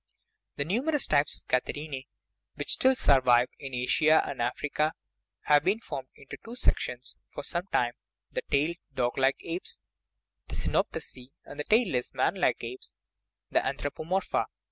The numerous types of catarrhinae which still sur vive in Asia and Africa have been formed into two sec tions for some time the tailed, doglike apes (the cyno pitheci) and the tailless, manlike apes (the anthropo morpha).